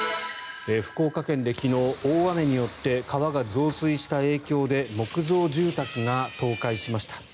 福岡県で昨日、大雨によって川が増水した影響で木造住宅が倒壊しました。